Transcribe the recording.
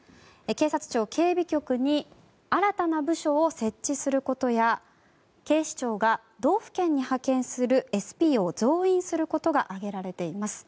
警察庁警備局に新たな部署を設置することや警視庁が道府県に派遣するＳＰを増員することが挙げられています。